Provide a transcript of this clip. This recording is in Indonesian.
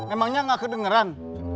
emangnya gak kedengeran